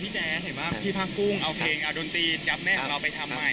แจ๊เห็นว่าพี่ผ้ากุ้งเอาเพลงเอาดนตรีจับแม่ของเราไปทำใหม่